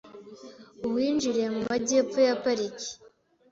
Uwinjiriye mu Majyepfo ya Pariki